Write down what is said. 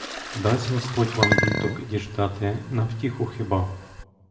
Дасть господь вам діток діждати, — на втіху хіба?